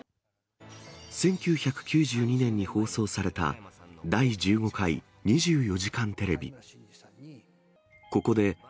１９９２年に放送された第１５回２４時間テレビ。